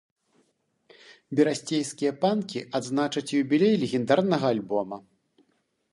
Берасцейскія панкі адзначаць юбілей легендарнага альбома.